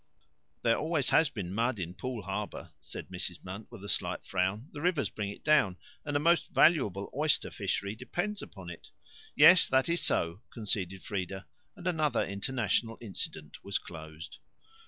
"There always has been mud in Poole Harbour," said Mrs. Munt, with a slight frown. "The rivers bring it down, and a most valuable oyster fishery depends upon it." "Yes, that is so," conceded Frieda; and another international incident was closed.